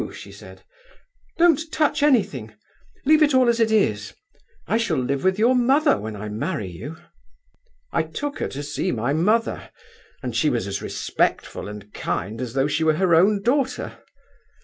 she said, 'don't touch anything; leave it all as it is; I shall live with your mother when I marry you.' "I took her to see my mother, and she was as respectful and kind as though she were her own daughter.